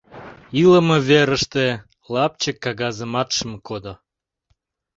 Илыме верыште лапчык кагазымат шым кодо.